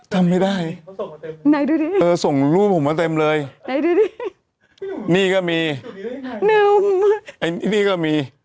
ทำไม่ได้นายดูดิเออส่งรูปผมมาเต็มเลยนี่ก็มีนี่นี่ก็มี